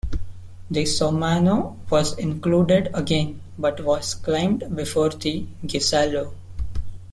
The Sormano was included again, but was climbed before the Ghisallo.